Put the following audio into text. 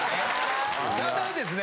ただですね